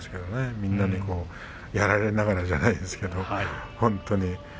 みんなにやられながらじゃないですけれども本当に。